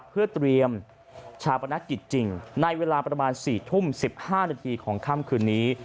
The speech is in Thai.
เพื่อเตรียมชาปนกิจจริงในเวลาประมาณ๔ทุ่ม๑๕นาทีของค่ำคืนนี้